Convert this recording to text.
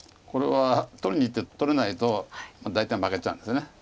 これは取りにいって取れないと大体負けちゃうんですよね。